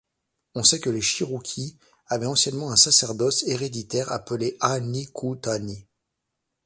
On sait que les Cherokee avait anciennement un sacerdoce héréditaire appelé le Ah-ni-ku-ta-ni.